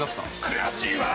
悔しいわ！